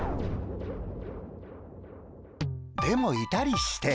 でもいたりして。